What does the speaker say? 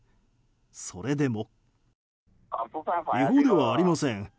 それでも。